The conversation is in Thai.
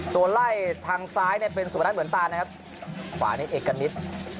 ตัวไล่ทางซ้ายเนี่ยเป็นสุปรัชน์เหมือนตานะครับขวานี้เอกกันนิด